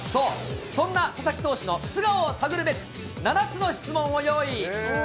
そんな佐々木投手の素顔を探るべく、７つの質問を用意。